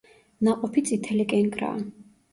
ნაყოფი წითელი კენკრაა.